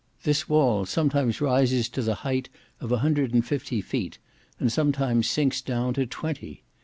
This wall sometimes rises to the height of a hundred and fifty feet, and sometimes sinks down to twenty.